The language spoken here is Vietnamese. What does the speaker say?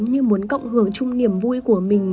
như muốn cộng hưởng chung niềm vui của mình